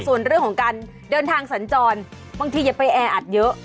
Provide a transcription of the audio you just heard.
ส่วนเรื่องของการเดินทางสัญจรบางทีอย่าไปแออัดเยอะ